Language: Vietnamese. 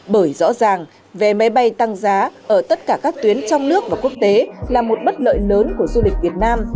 bởi rõ ràng về máy bay tăng giá ở tất cả các tuyến trong nước và quốc tế là một bất lợi lớn của du lịch việt nam